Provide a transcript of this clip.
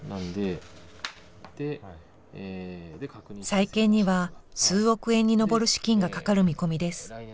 再建には数億円に上る資金がかかる見込みです。